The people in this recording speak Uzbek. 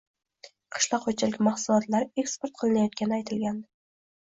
qishloq xo‘jaligi mahsulotlari eksport qilinayotgani aytilgandi.